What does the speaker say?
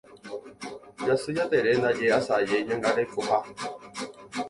Jasy Jatere ndaje asaje ñangarekoha.